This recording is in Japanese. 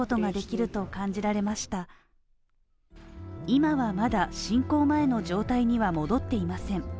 今はまだ侵攻前の状態には戻っていません。